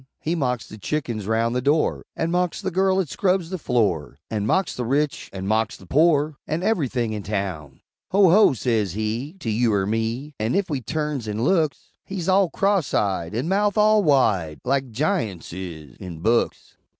He mocks the chickens round the door, An' mocks the girl 'at scrubs the floor, An' mocks the rich, an' mocks the pore, An' ever'thing in town! "Ho! ho!" says he, To you er me; An' ef we turns an' looks, He's all cross eyed An' mouth all wide Like Giunts is, in books.